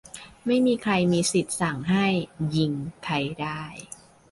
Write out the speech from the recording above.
ไม่มีใครมีสิทธิ์สั่งให้ "ยิง" ใครได้